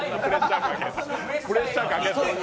プレッシャーかけんな。